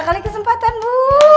bu tiga kali kesempatan bu